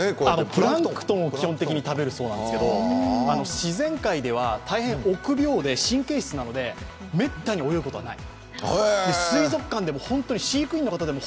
プランクトンを基本的に食べるそうなんですけれども自然界では大変臆病で神経質なのでめったに泳ぐことはない。